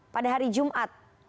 pada hari jumat